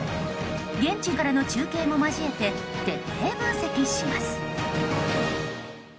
現地からの中継も交えて徹底分析します。